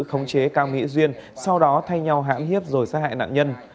khống chế cao nghĩ duyên sau đó thay nhau hãm hiếp rồi xác hại nạn nhân